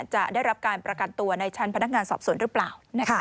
จะได้รับการประกันตัวในชั้นพนักงานสอบสวนหรือเปล่า